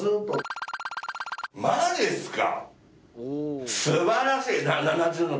マジっすか？